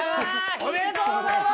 ありがとうございます。